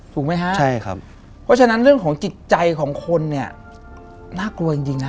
ถูกไหมฮะใช่ครับเพราะฉะนั้นเรื่องของจิตใจของคนเนี่ยน่ากลัวจริงนะ